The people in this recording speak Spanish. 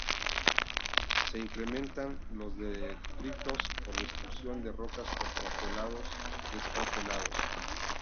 Se incrementan los detritos por destrucción de rocas por congelado-descongelado.